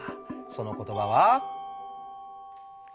その言葉は。